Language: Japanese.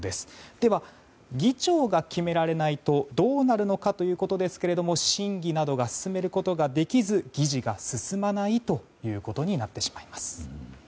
では、議長が決められないとどうなるのかということですが審議などが進めることができず議事が進まないということになってしまいます。